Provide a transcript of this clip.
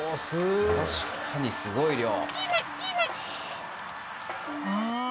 すごい。